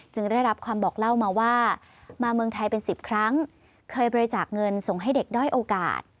ได้รับความบอกเล่ามาว่ามาเมืองไทยเป็น๑๐ครั้งเคยบริจาคเงินส่งให้เด็กด้อยโอกาส